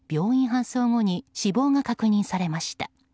搬送後に死亡が確認されました。